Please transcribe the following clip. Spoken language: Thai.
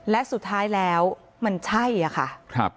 และสุดท้ายแล้วมันใช่ค่ะ